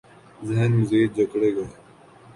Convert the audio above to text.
ذہن مزید جکڑے گئے۔